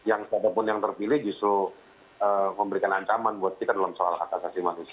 yang satupun yang terpilih justru memberikan ancaman buat kita dalam soal hak asasi manusia